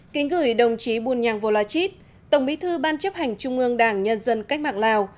kính gửi đồng chí bùn nhang vô loa chít tổng bí thư ban chấp hành trung ương đảng nhân dân cách mạng lào